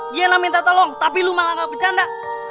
diana minta tolong tapi lo malah gak bercanda